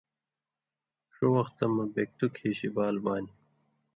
ݜُو وختہ مہ بېکتُک ہیشی بال بانیۡ،